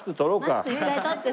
マスク一回取って。